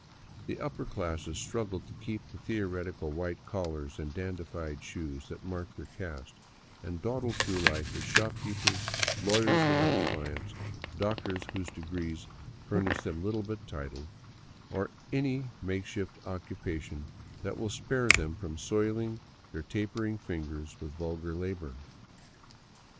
The " upper " classes struggle to keep the theoretically white collars and the dandified shoes that mark their caste, and dawdle through life as shopkeepers, lawyers without clients, doctors whose degrees fur nish them little but the title, or at any makeshift occupation that will spare them from soiling their tapering fingers with vulgar labor.